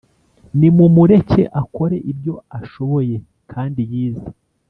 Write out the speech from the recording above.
Nimumureke akore ibyo ashoboye kandi yize